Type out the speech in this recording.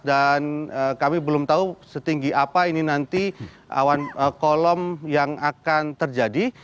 dan kami belum tahu setinggi apa ini nanti awan kolam yang akan terjadi